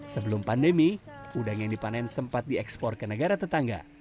sebelum pandemi udang yang dipanen sempat diekspor ke negara tetangga